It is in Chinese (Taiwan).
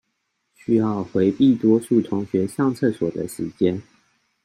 需要迴避多數同學上廁所的時間